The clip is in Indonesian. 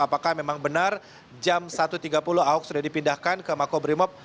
apakah memang benar jam satu tiga puluh ahok sudah dipindahkan ke makobrimob